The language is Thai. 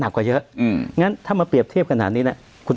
กว่าเยอะอืมงั้นถ้ามาเปรียบเทียบขนาดนี้นะคุณ